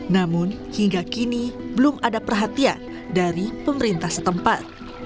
namun hingga kini belum ada perhatian dari pemerintah setempat